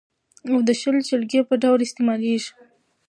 او د شل، شلګي په ډول استعمالېږي.